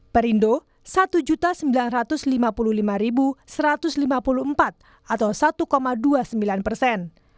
perindo satu sembilan ratus lima puluh lima satu ratus lima puluh empat atau satu dua puluh sembilan persen